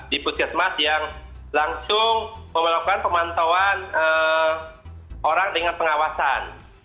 di puskesmas yang langsung melakukan pemantauan orang dengan pengawasan